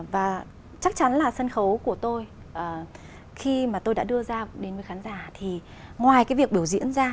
và chắc chắn là sân khấu của tôi khi mà tôi đã đưa ra đến với khán giả thì ngoài cái việc biểu diễn ra